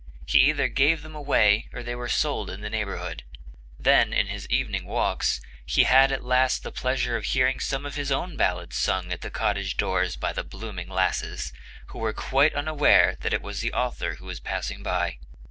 He either gave them away or they were sold in the neighborhood. Then, in his evening walks, he had at last the pleasure of hearing some of his own ballads sung at the cottage doors by the blooming lasses, who were quite unaware that it was the author who was passing by."